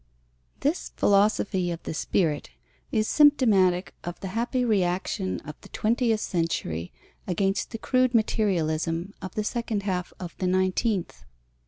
This Philosophy of the Spirit is symptomatic of the happy reaction of the twentieth century against the crude materialism of the second half of the nineteenth.